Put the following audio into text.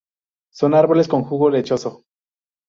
Son árboles con jugo lechoso.